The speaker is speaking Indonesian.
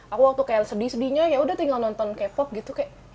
aku waktu kayak sedih sedihnya yaudah tinggal nonton k pop gitu kayak